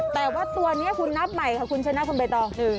แต่ว่าตัวนี้คุณนับใหม่ค่ะคุณจะนับไปต่อ๑๒๓๕